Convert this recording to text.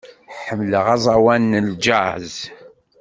Ḥemmleɣ aẓawan n jazz.